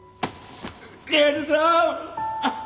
刑事さん！